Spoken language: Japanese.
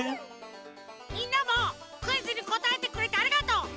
みんなもクイズにこたえてくれてありがとう。